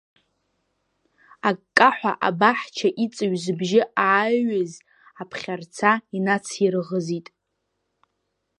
Аккаҳәа абаҳча иҵыҩ зыбжьы ааҩыз аԥхьарца инацирӷзит…